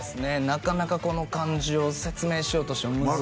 なかなかこの感じを説明しようとしても難しいっすね